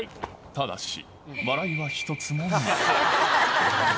ただし、笑いは一つもない。